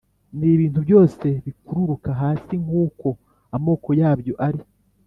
n’ibintu byose bikururuka hasi nk’uko amoko yabyo ari